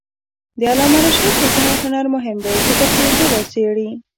د علامه رشاد لیکنی هنر مهم دی ځکه چې ژبه څېړي.